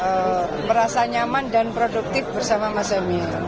dan saya merasa nyaman dan produktif bersama mas emil